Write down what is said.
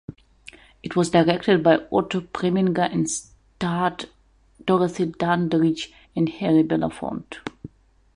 It was directed by Otto Preminger and starred Dorothy Dandridge and Harry Belafonte.